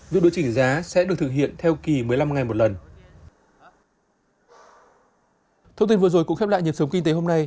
việc đối chỉnh giá sẽ được thực hiện theo kỳ một mươi năm ngày một lần